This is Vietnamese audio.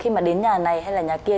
khi mà đến nhà này hay là nhà kia